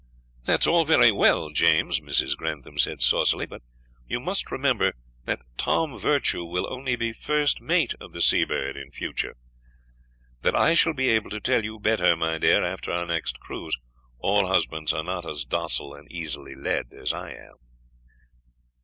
"That's all very well, James," Mrs. Grantham said saucily; "but you must remember that Tom Virtue will only be first mate of the Seabird in future." "That I shall be able to tell you better, my dear, after our next cruise. All husbands are not as docile and easily led as I am."